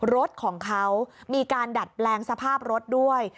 รถของเขามีการดัดแปลงสภาพรถด้วย